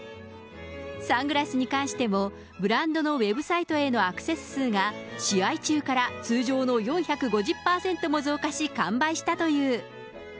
サングラスに関しても、ブランドのウェブサイトへのアクセス数が、試合中から通常の４５０％も増加し完売したという。